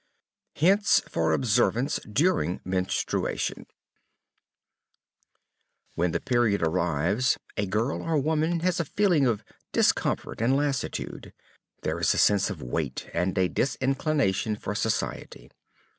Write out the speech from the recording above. HINTS FOR OBSERVANCE DURING MENSTRUATION When the period arrives a girl or woman has a feeling of discomfort and lassitude, there is a sense of weight, and a disclination for society.